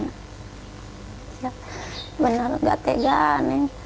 benar tidak ketegangan